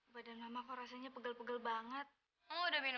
badan mama kok rasanya pegal pegal banget